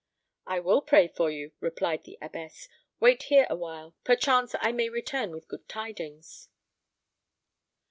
"'I will pray for you,' replied the abbess; 'wait here awhile; perchance I may return with good tidings.'